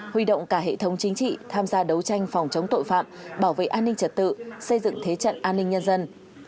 huy động cả hệ thống chính trị tham gia đấu tranh phòng chống tội phạm bảo vệ an ninh trật tự xây dựng thế trận an ninh nhân dân